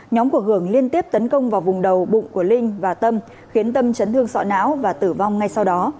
nhóm của hường liên tiếp tấn công vào vùng đầu bụng của linh và tâm khiến tâm chấn thương sọ não và tử vong ngay sau đó